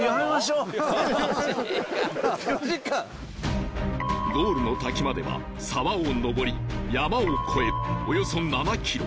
ハハハ「４時間」ゴールの滝までは沢を登り山を越えおよそ７キロ